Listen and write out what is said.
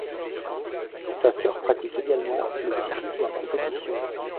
Sa sœur pratique également le cyclisme en compétition.